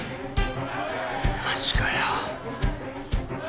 マジかよ。